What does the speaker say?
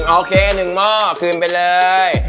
๑โอเค๑หม้อขึ้นไปเลย